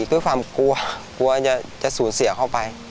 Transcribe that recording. ด้วยความกลัวกลัวจะสูญเสียข้อมูลครับ